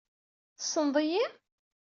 Tessneḍ-iyi?